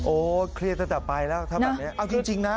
โอ้เคลียร์ตั้งแต่ไปแล้วถ้าแบบเนี้ยเอาจริงจริงนะ